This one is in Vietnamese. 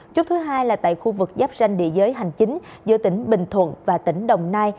chốt thứ hai là tại khu vực giáp ranh địa giới hành chính giữa tỉnh bình thuận và tỉnh đồng nai